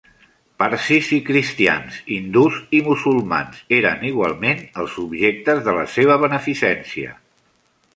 Parsis i cristians, hindús i musulmans, eren igualment els objectes de la seva beneficència.